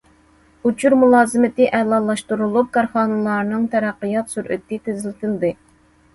ئۇچۇر مۇلازىمىتى ئەلالاشتۇرۇلۇپ، كارخانىلارنىڭ تەرەققىيات سۈرئىتى تېزلىتىلدى.